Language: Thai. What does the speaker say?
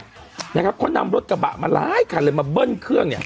เพราะนำรถกระบะมาหลายคันเลยมาเบิ้ลเครื่องเนี่ย